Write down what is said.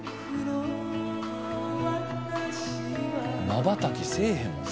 まばたきせえへんもんな。